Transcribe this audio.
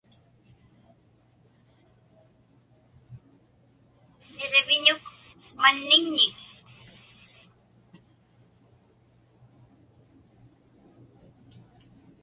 Niġiviñuk manniŋnik?